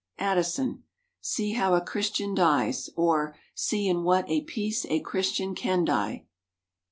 Addison. "See how a Christian dies!" or, "See in what a peace a Christian can die!"